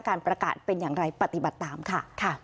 การประกาศเป็นอย่างไรปฏิบัติตามค่ะ